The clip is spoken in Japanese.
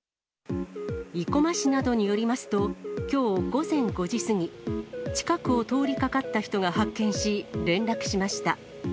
生駒市などによりますと、きょう午前５時過ぎ、近くを通りかかった人が発見し連絡しました。